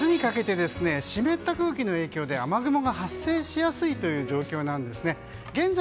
明日にかけて湿った空気の影響で雨雲が発生しやすい状況なんです。